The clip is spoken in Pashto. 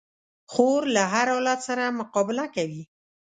خور له هر حالت سره مقابله کوي.